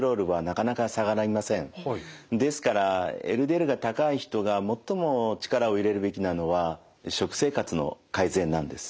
ですからＬＤＬが高い人が最も力を入れるべきなのは食生活の改善なんです。